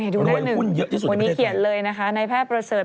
ถูกเห็นดูแน่นึงวันนี้เขียนเลยนะคะในแพทย์ประเสริฐ